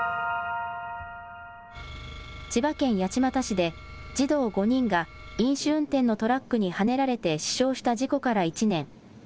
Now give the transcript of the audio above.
千葉県八街市で児童５人が飲酒運転のトラックにはねられて死傷した事故から１年。